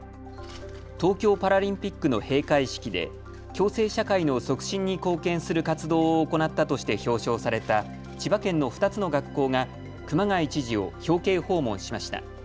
東京パラリンピックの閉会式で共生社会の促進に貢献する活動を行ったとして表彰された千葉県の２つの学校が熊谷知事を表敬訪問しました。